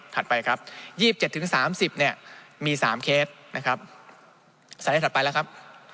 ถัดไปครับ๒๗๓๐มี๓เคสใส่ได้ถัดไปแล้วครับ